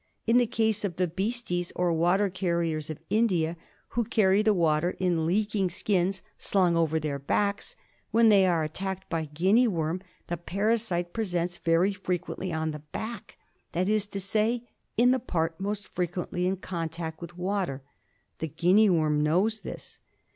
^ In the case of the Bheesties or water carriers of India, who carry the water in leaking skins slung over their backs, when they are attacked by Guinea worm the parasite presents very frequently on the back — that is to say, in the part most frequently in contact with water. The Guinea worm knows this.